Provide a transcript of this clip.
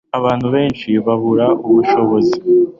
Abantu benshi babura ubushobozi